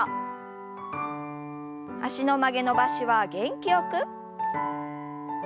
脚の曲げ伸ばしは元気よく。